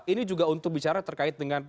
ini juga untuk bicara terkait dengan